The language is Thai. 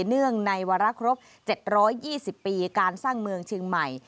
เนื่องในวาระครบ๗๒๐ปีการสร้างเมืองเชียงใหม่